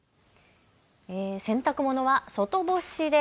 洗濯物は外干しで。